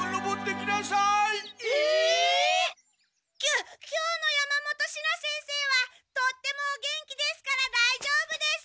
きょ今日の山本シナ先生はとってもお元気ですからだいじょうぶです！